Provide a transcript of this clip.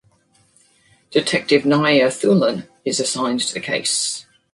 Detective Naia Thulin is assigned to the case.